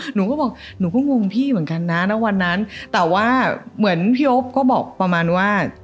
หนูก็บอกหนูก็งงพี่เหมือนกันนะณวันนั้นแต่ว่าเหมือนพี่โอ๊บก็บอกประมาณว่า